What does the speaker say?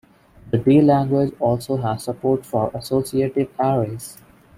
The D language also has support for associative arrays.